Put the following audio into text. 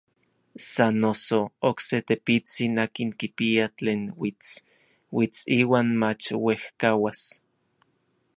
Sa noso, okse tepitsin akin kipia tlen uits, uits iuan mach uejkauas.